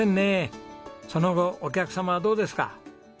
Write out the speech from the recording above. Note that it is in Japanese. その後お客様はどうですか？